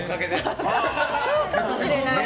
そうかもしれない。